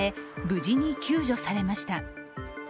無事に救助されました。